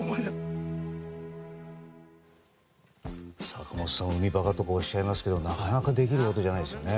坂本さんは海バカとおっしゃいますけどなかなかできることではないですよね。